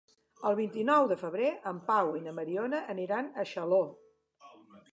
El vint-i-nou de febrer en Pau i na Mariona aniran a Xaló.